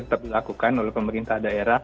tetap dilakukan oleh pemerintah daerah